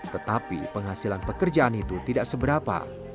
tetapi penghasilan pekerjaan itu tidak seberapa